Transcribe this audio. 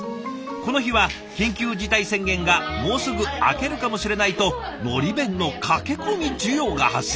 この日は緊急事態宣言がもうすぐ明けるかもしれないとのり弁の駆け込み需要が発生。